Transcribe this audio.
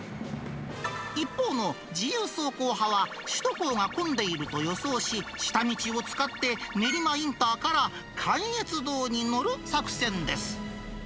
一方の自由走行派は、首都高が混んでいると予想し、下道を使って、練馬インターから関越道に乗る作戦です。